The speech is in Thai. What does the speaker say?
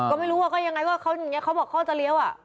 ก็ไม่รู้ว่าก็ยังไงว่าเขาอย่างนี้เขาบอกเขาจะเลี้ยว